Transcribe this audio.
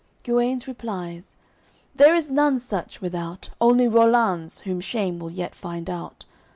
Guenes replies: "There is none such, without Only Rollanz, whom shame will yet find out.